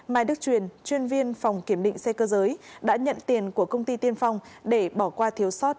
mai đức truyền chuyên viên phòng kiểm định xe cơ giới đã nhận tiền của công ty tiên phong để bỏ qua thiếu sót